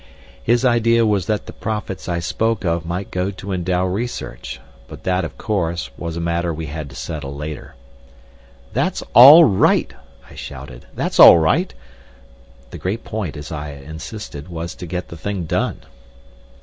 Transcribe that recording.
His idea was that the profits I spoke of might go to endow research, but that, of course, was a matter we had to settle later. "That's all right," I shouted, "that's all right." The great point, as I insisted, was to get the thing done.